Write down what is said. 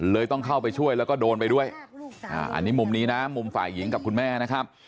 ต้องเข้าไปช่วยแล้วก็โดนไปด้วยอันนี้มุมนี้นะมุมฝ่ายหญิงกับคุณแม่นะครับ